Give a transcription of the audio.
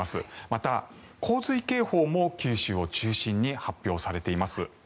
また、洪水警報も九州を中心に発表されています。